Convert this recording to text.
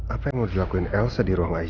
apa yang mau dilakuin elsa di ruang aisya